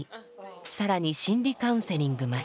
更に心理カウンセリングまで。